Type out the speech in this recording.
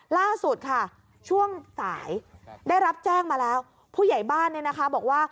ล่าสุดค่ะช่วงสายได้รับแจ้งมาแล้วผู้ใหญ่บ้านเนี่ยนะคะบอกว่า